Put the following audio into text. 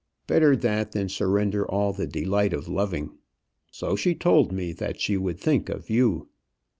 Better that than surrender all the delight of loving. So she told me that she would think of you.